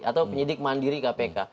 atau penyidik mandiri kpk